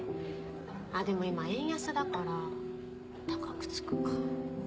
あっでも今円安だから高くつくか。